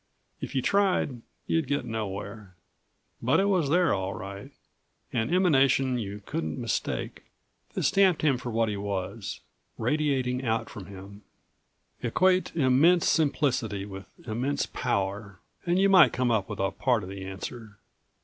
If you tried, you'd get nowhere. But it was there, all right, an emanation you couldn't mistake that stamped him for what he was, radiating out from him. Equate immense simplicity with immense power and you might come up with a part of the answer.